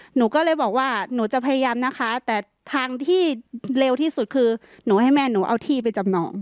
หนูก็เลยบอกว่าหนูจะพยายามนะคะแต่ทางที่เร็วที่สุดคือหนูให้แม่หนูเอาที่ไปจำนอง